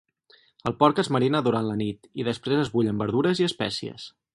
El porc es marina durant la nit, i després es bull amb verdures i espècies.